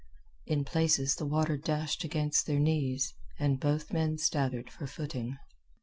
In places the water dashed against their knees, and both men staggered for footing.